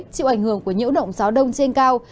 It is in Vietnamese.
chịu ảnh hưởng của nhiễu động gió đông trên cao